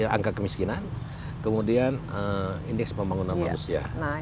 angka kemiskinan kemudian indeks pembangunan manusia